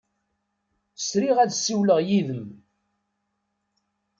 Sriɣ ad ssiwleɣ yid-m.